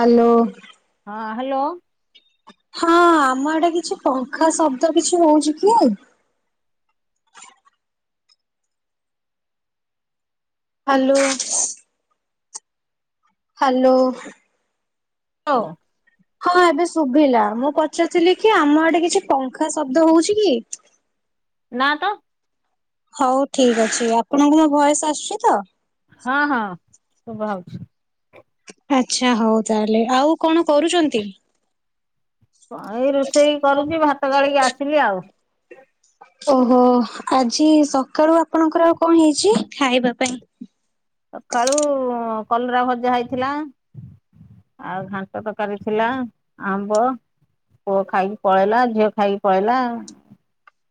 Hello. ହଁ hello. ହଁ ଆମ ଆଡେ କିଛି ପଙ୍ଖା ଶବ୍ଦ କିଛି ହଉଛି କି? ହ୍ଯାଲୋ। ହ୍ୟାଲୋ। ଓ ହଁ ଏବେ ଶୁଭିଲା ମୁଁ ପଚାରୁଥିଲି କି ଆମ ଆଡେ କିଛି ପଙ୍ଖା ଶବ୍ଦ ହଉଛି କି? ନା ତ। ହଉ ଠିକ ଅଛି ଆପଣଙ୍କୁ ମୋ ଭଏୟସ ଆସୁଛି ତ? ହଁ ହଁ ଶୁଭା ହଉଛି। ଆଛା ହଉ ତା ହେଲେ ଆଉ କଣ କରୁଛନ୍ତି? କଣ ଏଇ ରୋଷେଇ କରୁଛି ଭାତ ଗାଳିକି ଆସିଲି ଆଉ। ଓହୋ ଆଜି ସକାଳୁ ଆପଣଙ୍କର ଆଉ କଣ ହେଇଛି ଖାଇବା ପାଇଁ? ସକାଳୁ କଲରା ଭଜା ହେଇଥିଲା। ଆଉ ଘାଣ୍ଟ ତରକାରି ଥିଲା ଆମ୍ବ। ପୁଅ ଖାଇକି ପଳେଇଲା ଝିଅ ଖାଇକି ପଳେଇଲା।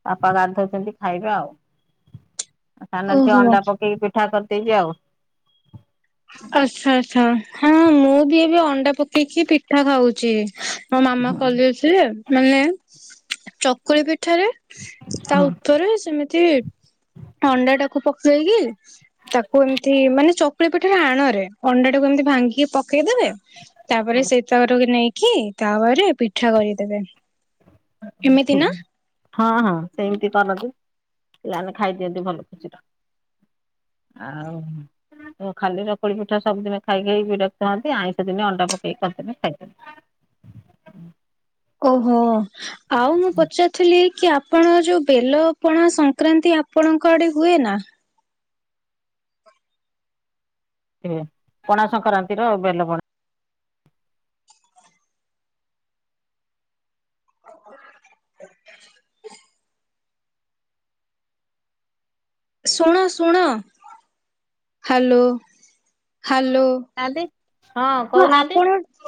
ବାପା ଗାଧୋଉଛନ୍ତି ଖାଇବେ ଆଉ। ସାନ ଝିଅ ଓହୋ। ଅଣ୍ଡା ପକେଇକି ପିଠା କରିଦେଇଚି ଆଉ। ଆଚ୍ଛା ଆଚ୍ଛା ହଁ ମୁଁ ବି ଏବେ ଅଣ୍ଡା ପକେଇକି ପିଠା ଖାଉଛି। ମୋ ମାମା ହଁ କଲେ ସିଏ ମାନେ ଚକୁଳି ପିଠାରେ ତା ଉପରେ ସେମିତି ଅଣ୍ଡା ଟାକୁ ପକେଇକି ତାକୁ ଏମିତି ମାନେ ଚକୁଳି ପି ଠାର ଆଣ ରେ ଅଣ୍ଡା ଟାକୁ ଏମିତି ଭାଙ୍ଗିକି ପକେଇଦେବେ। ତାପରେ ସେ ତରୁକୁ ନେଇକି ତାପରେ ପିଠା କରିଦେବେ। ଏମିତି ଠିକ ନା? ହଁ ହଁ ସେମିତି କରନ୍ତି, ପିଲାମାନେ ଖାଇଦିଅନ୍ତି ଭଲ ଖୁସି ର। ଆଉ ତ ଖାଲି ଚକୁଳି ପିଠା ସବୁଦିନ ଖାଇଖାଇ ବିରକ୍ତ ହୁଅନ୍ତି ଆଇଁଷ ଦିନେ ଅଣ୍ଡା ପକେଇକି କରଦେଲେ ଖାଇଦେଲେ। ଓହୋ, ଆଉ ମୁଁ ପଚାର ଥିଲି କି ଆପଣ ଯୋଉ ବେଲ ପଣା ସଂକ୍ରାନ୍ତି ଆପଣଙ୍କ ଆଡେ ହୁଏ ନା? ହୁଏ ପଣା ସଂକ୍ରାନ୍ତିର ବେଲ ପଣା। ଶୁଣ ଶୁଣ ହାଲୋ ହାଲୋ। ଆଣ୍ଟି ହଁ କଉନାହାନ୍ତି।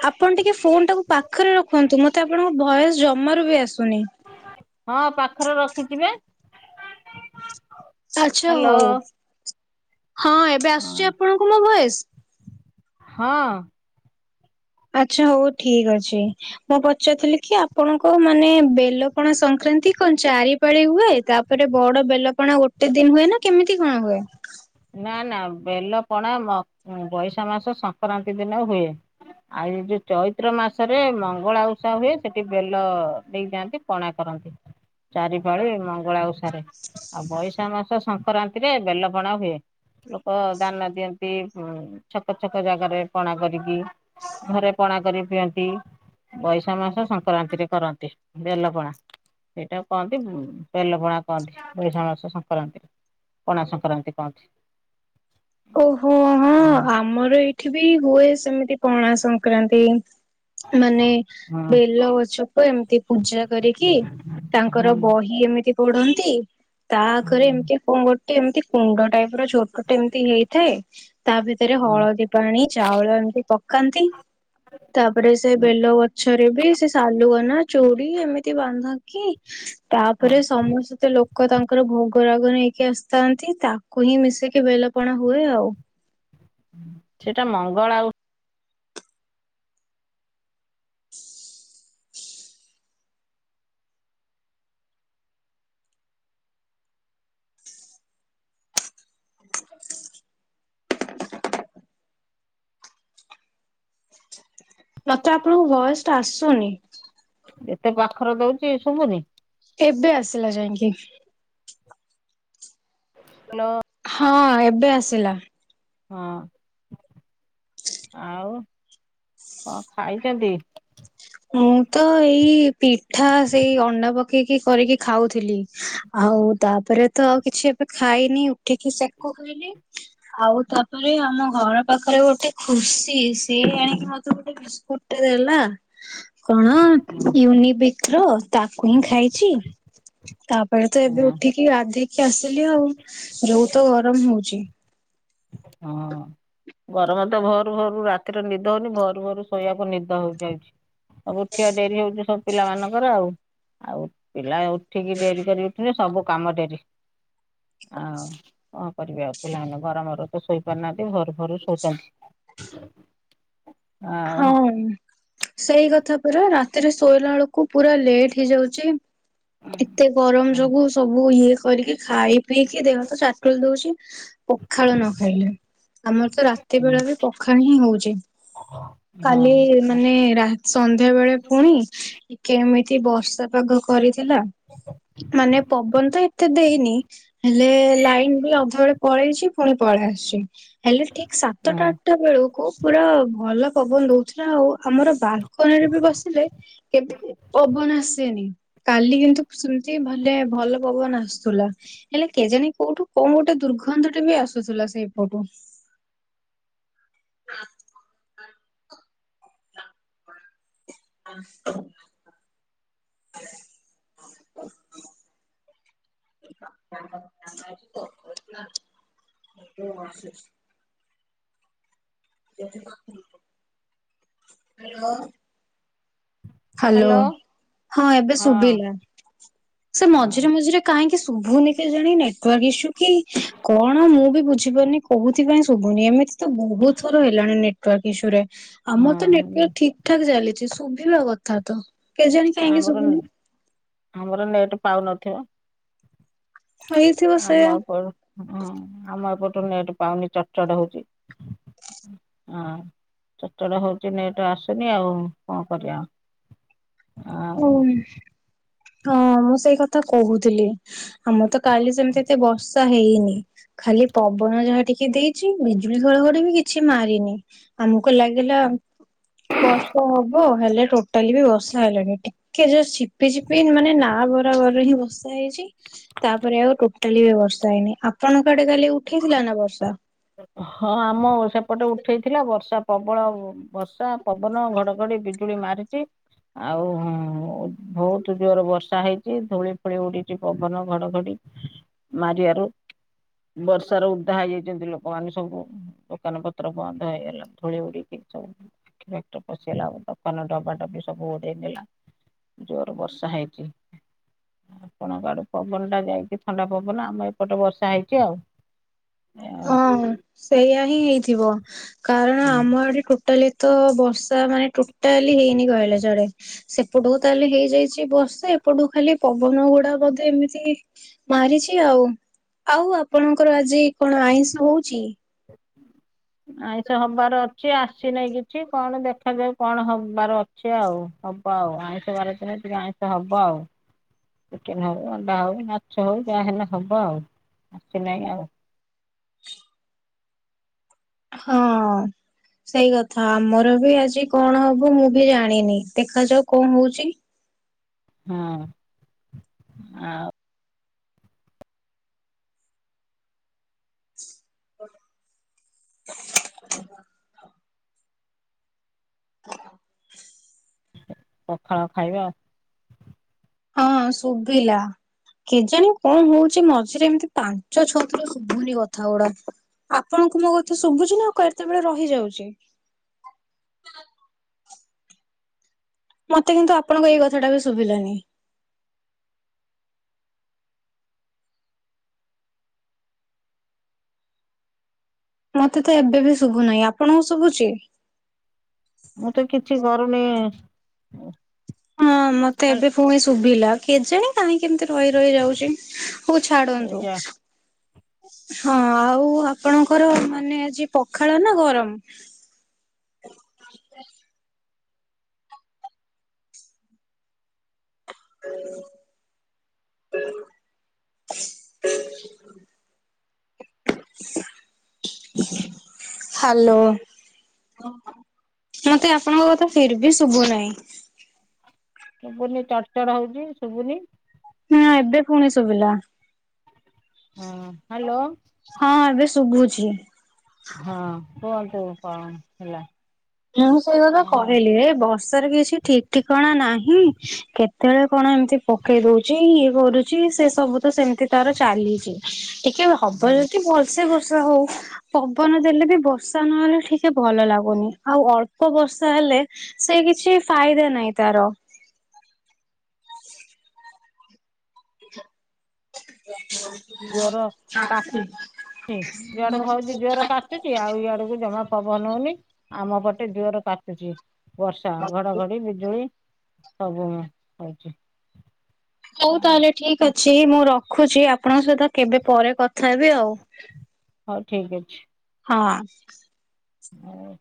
ଆପଣ ଟିକେ ଫୋନ୍ ଟାକୁ ପାଖରେ ରଖନ୍ତୁ ମୋତେ ଆପଣଙ୍କ ଭଏସ୍ ଜମାରୁ ବି ଆସୁନି। ହଁ ପାଖରେ ରଖିଛି ପା। ଆଚ୍ଛା ହଉ ହଁ ଏବେ ଆସୁଛି ଆପଣଙ୍କୁ ମୋ ଭଏସ୍। ହଁ। ଆଚ୍ଛା ହଉ ଠିକ ଅଛି। ମୁଁ ପଚାରଥିଲି କି ଆପଣଙ୍କ ମାନେ ବେଲପଣା ସଂକ୍ରାନ୍ତି କଣ ଚାରିପାଳି ହୁଏ? ତା ପରେ ବଡ ବେଲପଣା ଗୋଟେ ଦିନ ହୁଏ ନା କେମିତି କଣ ହୁଏ? ନା ନା ବେଲ ପଣା ମ-ଅଁ, ବୈଶାଖ ମାସ ସଂକ୍ରାନ୍ତି ଦିନ ହୁଏ। ଆଉ ଏ ଯୋଉ ଚୈତ୍ର ମାସରେ ମଙ୍ଗଳା ଓଷା ହୁଏ ସେଠି ବେଲ ଦେଇଯାଆନ୍ତି। ପଣା କରନ୍ତି। ଚାରିପାଳି ମଙ୍ଗଳା ଓଷାରେ। ଆଉ ବୈଶାଖ ମାସ ସଂକ୍ରାନ୍ତିରେ ବେଲପଣା ହୁଏ। ଲୋକ ଦାନ ଦିଅନ୍ତି ଉଁ, ଛକ ଛକ ଜାଗାରେ ପଣା କରିକି। ଘରେ ପଣା କରିକି ପିଅନ୍ତି। ବୈଶାଖ ମାସ ସଂକ୍ରାନ୍ତିରେ କରନ୍ତି ବେଲପଣା। ସେଇଟା କହନ୍ତି ଉଁ, ବେଲ ପଣା କହନ୍ତି ବୈଶାଣ ମାସ ସଂକ୍ରାନ୍ତିରେ। ପଣା ସଂକ୍ରାନ୍ତି କହନ୍ତି। ଓହୋ, ହଁ ଆମର ଏଇଠି ବି ହୁଏ ସେମିତି ପଣା ସଂକ୍ରାନ୍ତି। ମାନେ ହଁ ବେଲ ଗଛକୁ ଏମିତି ପୂଜା କରିକି ତାଙ୍କର ହଁ ବହି ଏମିତି ପୋଢନ୍ତି ତା ଆଗରେ ହଁ ଏମିତି କଣ ଗୋଟେ ଏମିତି କୁଣ୍ଡ ଟାଇପ୍ ର ଛୋଟ ଟେ ଏମ ତି ହେଇଥାଏ ତା ଭିତରେ ହଁ ହଳଦୀ ପାଣି ଚାଉଳ ଏମିତି ପକାନ୍ତି। ତାପରେ ସେ ବେଲ ଗଛରେ ବି ସେ ସାଲୁଗନା ଚୁଡି ଏମିତି ବାନ୍ଧକି। ହଁ ତାପରେ ସମସ୍ତେ ଲୋ କ ତାଙ୍କର ଭୋଗ ରାଗ ନେଇକି ଆସିଥାନ୍ତି ତାକୁ ହିଁ ମିଶିକି ବେଲପଣା ହୁଏ ଆଉ। ହୁଁ, ସେଇଟା ମଙ୍ଗଳା ଉ ସି। ମୋତେ ଆପଣଙ୍କ ଭଏସ୍ ଟା ଆସୁନି। ଏତେ ପାଖର ଦଉଚି ଶୁବୁନି? ଏବେ ଆସିଲା ଯାଇଁକି। ହଁ ହଁ ଏବେ ଆସିଲା। ହଁ। ଆଉ କଣ ଖାଇଛନ୍ତି? ମୁଁ ତ ଏଇ ପିଠା ସେଇ ଅଣ୍ଡା ପକେଇକି କରିକି ଖାଉଥିଲି। ଆଉ ତାପରେ ତ ଆଉ କିଛି ଏବେ ଖାଇନି। ଉଠିକି ସେକ ପିଇଲି। ଆଉ ତାପରେ ଆମ ଘର ପାଖରେ ଗୋଟେ ଖୁସି ସିଏ ଯାଇକି ମତେ ଗୋଟେ ଗୋଟେ ଦେଲା। କଣ? ହଁ ୟୁନିବିକ ର ତାକୁ ହିଁ ଖାଇଛି। ତାପରେ ତ ଏବେ ଉଠିକି ଗଧେଇକି ଆସିଲି ଆଉ। ଯୋଉ ତ ଗରମ ହଉଚି। ହଁ। ଗରମ ତ ଭରୁ ଭରୁ ରାତିରେ ନିଦ ହଉନି। ଭରୁ ଭରୁ ଶୋଇବାକୁ ନିଦ ହଉ ଯାଉଛି। ଉଠିବା ଡେରି ହଉଛି ସବୁ ପିଲାମାନାନଙ୍କର ଆଉ। ଆଉ ପିଲାଏ ଉଠିକି ଡେରି କରିକି ଉଠିଲେ ସବୁ କାମ ଡେରି ଆଉ କଣ କରିବି। ଆଉ ପିଲାମାନେ ଗରମରୁ ତ ଶୋଇ ପାରୁନାହାନ୍ତି। ଭରୁ ଭରୁ ଶୋଉଛନ୍ତି। ଆଉ ହଁ। ସେଇ କଥା ପୁରା ରାତିରେ ଶୋଇଲା ବେଳକୁ ପୁରା ଲେଟ ହେଇଯାଉଛି ଏତେ ଗରମ ହଁ ଯୋଗୁ ସବୁ ତାକୁ ଇଏ କରିକି। ଖାଇ ପିଇକି ଦେହ ତ ଚାଟୁଲି ଦଉଛି। ପଖାଳ ନ ଖାଇଲେ, ଆମର ତ ରାତି ବେଳେ ବି ପଖାଳ ହିଁ ହଉଛି। [unintelligible] କାଲି ହଁ ମାନେ ରା, ସନ୍ଧ୍ୟା ବେଳେ ପୁଣି କେମିତି ବର୍ଷା ପାଗ କରିଥିଲା। ମାନେ ପବନ ତ ଏତେ ଦେଇନି ହେଲେ ଲାଇନ ବି ଅଧ ବେଳେ ପଳେଇଛି, ପୁଣି ପଳେଇ ଆସିଛି। ହେଲେ ଠିକ୍ ସାତଟା ଟା ବେଳକୁ ପୁରା ଭଲ ପବନ ଦଉଥିଲା। ଆଉ ଆମର ବାଲ ବାଲକୁନିରେବି ବସିଲେ ଏ ପବନ ଆସିନି। କାଲି କିନ୍ତୁ ଶୁଣୁଛି ଭଲେ ଭଲ ପବନ ଆସୁଥିଲା। ହେଲେ କେଜାଣି କୋଉଠୁ କୋଉ ଗୋଟେ ଦୁର୍ଗନ୍ଧ ଟେ ବି ଆସୁଥିଲା ସେଇପଟୁ। [unintelligible] [unintelligible] ହ୍ୟାଲୋ। ହ୍ୟାଲୋ, ହଁ ଏବେ ଶୁଭିଲା। ସେ ମଝିରେ ଅ ମଝିରେ କାହିଁକି ଶୁଭୁନି କେଜାଣି ନେଟୱାର୍କ ଇସୁ କି କଣ ମୁଁ ବି ବୁଝିପାରୁନି। କୋଉଥିପାଇଁ ଶୁଭୁନି? ଏମିତି ତ ବହୁତ ଥର ହେଲାଣି ନେଟୱାର୍କ ଇସୁରେ? ଆମର ତ ହଁ ନେଟୱାର୍କ ଠିକ୍ ଠାକ୍ ଚାଲିଛି। ଶୁଭିବା କଥା ତ। କେଜାଣି ଆଚ୍ଛା କାହିଁକି ଆମର ଶୁଭୁନି ନୁହୁ। ଆମର ନେଟ୍ ପାଉନଥିବ? ହେଇଥିବ ସେଇଆ ଆମରପଡୁ। ହୁଁ ଆମ ଏପଠୁ ନେଟ, ପାଉନି ଚଡ଼ ଚଡ଼ ହଉଛି। ହଁ ଚଡ଼ ଚଡ଼ ହଉଛି ନେଟ ଆସୁନି। ଆଉ କଣ କରିବା? ହଁ। ହଉ। ହଁ। ମୁଁ ସେଇ କଥା କହୁଥିଲ। ଆମର ତ କାଲି ସେମିତି ଏତେ ବର୍ଷା ହେଇନି, ଖାଲି ପବନ ଯାହା ଟିକେ। କି ଦେଇଛି ବିଜୁଳି ଘଡଘଡ଼ି ବି କିଛି ମାରିନି ଆମକୁ ଲାଗିଲା? ବର୍ଷା ହବ। ହେଲେ ଟୋଟାଲି ବି ବର୍ଷା ହେଲାନି। ଟିକେ ଜଷ୍ଟ ଝିପିଝିପି ଏବେ ମାନେ ନା ବରାବରରେ ହିଁ ବର୍ଷା ହେଇଛି। ତାପରେ ଆଉ ଟୋଟାଲି ବି ବର୍ଷା ହେଇନି। ଆପଣଙ୍କ ଆଡେ କାଲି ଉଠେଇଥିଲା ନା ବର୍ଷା? ହଁ ଆମ ସେପଟେ ଉଠେଇଥିଲା। ବର୍ଷା ପ୍ରବଳ ବର୍ଷା ପବନ ଘଡଘଡି ବିଜୁ ଗୁଳି ମାରୁଛିି। ଆଉ ହଁ ବହୁତ ଜୋର ବର୍ଷା ହେଇଛି ଧୂଳି ଫୁଳି ଉଡିଛି ପବନ ଘଡଘଡି [inaudible] ମାରିବାରୁ ବର୍ଷାର ଓଦା ହେଇଯାଇଛନ୍ତି ଲୋକ ଗାନେ ସବୁ ଦୋକାନ ପତ୍ର ବନ୍ଦ ହେଇଗଲା ଧୂଳି ଉଡିକି ସବୁ ଟ ପଶେଇଲା ଦୋକାନ ଡବା ଡବି ସବୁ ଓଡେଇ ନେଲା ଜୋର ବର୍ଷା ହେଇଛି ଆପଣଙ୍କ ଆଡୁ ପବନ ଟା ଯାଇଛିି ଥଣ୍ଡା ପବନ ଆମ ଏପଟେ ବର୍ଷା ହେଇଛି ଆଉ। ଆଉ ହଁ ସେଇଆା ହିଁ ହେଇଥିବ କାରଣ ଆମ ହୁଁ ଆଡେ ଟୋ ଟାଲି ତ ବର୍ଷା ମାନେ ଟୋଟାଲି ହେଇନି କହିଲେ ଚଳେ ସେପଟୁ ତାହେଲେ ହେଇଯାଇଛି ବର୍ଷେ ଏପଟୁ ଖାଲି ପବନ ଗୁଡା ବୋଧେ ଏମିତି ମାରିଛି ଆଉ ଆଉ ଆପଣଙ୍କର ଆଜି କଣ ଆଇଁଷ ହଉଛି? ଆଇଁଷ ହବାର ଛି ଆସିନାହିଁ କିଛି କଣ ଦେଖାଯାଉ କଣ ହବାର ଅଛି ଆଉ ହବ ଆଉ ଆଇଁଷ ବାର ଦିନ ଟିକେ ଆଁ ହବ ଆଉ ଚିକେନ ହଉ ଅଣ୍ଡା ହଉ ମାଛ ହଉ ଯାହା ହେଲେ ହବ ଆଉ ଆସିନାହିଁ ଆଉ ହଁ ସେଇ କଥା ଆମର ବି ଆଜି କଣ ହବ ମୁଁ ବି ଜାଣିନି ଦେଖାଯାଉ କଣ ହଉଛି ହଁ ଆଉ ପଖାଳ ଖାଇବା ଆଉ ହଁ ଶୁଭିଲା କେଜାଣେ କଣ ହଉଛି ମଝିରେ ଏମିତି ପାଞ୍ଚ ଛତୁର ଶୁଭୁନି କଥା ଗୁଡା। ଆପଣଙ୍କୁ ମୋ କଥା ଶୁଭୁଛି ନା ଆଉ କେତେବେଳେ ରହିଯାଉଛି? ମତେ କିନ୍ତୁ ଆପଣଙ୍କ ଏଇ କଥାଟା ବି ଶୁଭିଲାନି ମତେ ତ ଏବେ ବି ଶୁଭୁନାହିଁ ଆପଣଙ୍କୁ ଶୁଭୁଛି? ମୁଁ ତ କିଛି କରୁନି ହଁ ମତେ ଏବେ ପୁଣି ଶୁଭିଲା କେଜାଣି କାହିଁ କେମିତି ରହି ରହି ଯାଉଛି ହଉ ଛାଡନ୍ତୁ ଯା ହଁ ଆଉ ଆପଣଙ୍କର ମାନେ ଆଜି ପଖାଳ ନା ଗରମ? [unintelligible] [unintelligible] ହ୍ୟାଲୋ ମତେ ଆପଣଙ୍କ କଥା ଫିର୍ଭି ଶୁଭୁ ନାହିଁ। ଶୁଭୁନି ଚଢ ଚଢ ହଉଛି ଶୁଭୁନି ହୁଁ ଏବେ ପୁଣି ଶୁଭିଲା ହଁ ହ୍ୟାଲୋ ହଁ ଏବେ ଶୁଭୁଛି। ହଁ କୁହନ୍ତୁ କଣ ହେଲା ମୁଁ ସେଇ କଥା ହଁ କହିଲି ବର୍ଷାରେ କିଛି ଠିକ ଠିକଣା ନାହିଁ କେତେବେଳେ କଣ ଏମିତି ପକେଇ ଦଉଛି ଇଏ କରୁଛି ସେ ସବୁ ତ ସେମତି ତାର ଚାଲିଛି ଟିକେ ହବ ଭଲସେ ବର୍ଷା ହଉ ପବନ ଦେଲେ ବି ବର୍ଷା ନହେଲେ ଟିକେ ଭଲ ଲାଗୁନି। ଆଉ ଅଳ୍ପ ବର୍ଷା ହେଲେ ସେ କିଛି ଫାଇଦା ନାହିଁ ତାର। ଜୋର [unintelligible] ଚୁଚି ଆଉ ଇଆଡକୁ ଜମା ପବନ ହଉନି ଆମ ପଟେ ଜୁର କାଚୁଛି। ବର୍ଷା ଘଡଘଡି ବିଜୁଳି ସବୁ ହଉଛି। ହଉ ତାହେଲେ ଠିକ ଅଛି ମୁଁ ରଖୁଛି। ଆପଣଙ୍କ ସହିତ କେବେ ପରେ କ ଥାବି ଆଉ। ହଉ ଠିକ ହଁ। ହଁ।